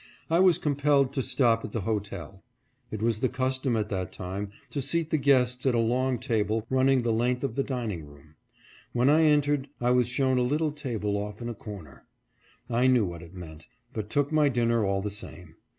I was compelled to stop at the hotel. It was the custom at that time to seat the guests at a long table running the length of the dining room. When I entered I was shown a little table off in a corner. I knew what it meant, but took my dinner all the same.